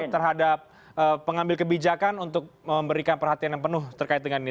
terhadap pengambil kebijakan untuk memberikan perhatian yang penuh terkait dengan ini